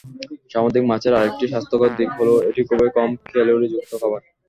সামুদ্রিক মাছের আরেকটি স্বাস্থ্যকর দিক হলো এটি খুবই কম-ক্যালোরি যুক্ত খাবার।